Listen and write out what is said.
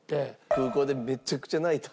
空港でめちゃくちゃ泣いた。